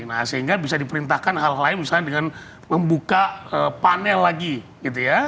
nah sehingga bisa diperintahkan hal hal lain misalnya dengan membuka panel lagi gitu ya